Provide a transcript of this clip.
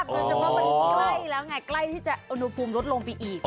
โดยเฉพาะมันใกล้แล้วไงใกล้ที่จะอุณหภูมิลดลงไปอีก